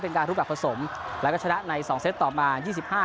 การรูปแบบผสมแล้วก็ชนะในสองเซตต่อมายี่สิบห้า